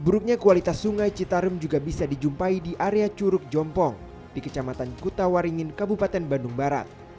buruknya kualitas sungai citarum juga bisa dijumpai di area curug jompong di kecamatan kutawaringin kabupaten bandung barat